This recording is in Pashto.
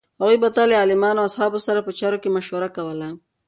هغوی به تل له عالمانو او اصحابو سره په چارو کې مشوره کوله.